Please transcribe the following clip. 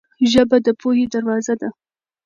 ژبه د پوهې دروازه ده.